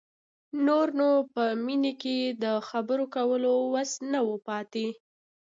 نور نو په مينې کې د خبرو کولو وس نه و پاتې.